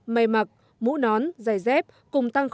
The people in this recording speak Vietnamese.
mày mặc mũ nón giày dép cùng tăng tám